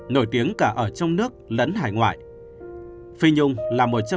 nổi tiếng cả ở trong nước là đại diện của cô